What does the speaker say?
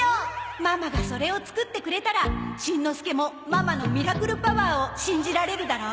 ママがそれを作ってくれたらしんのすけもママのミラクルパワーを信じられるだろ？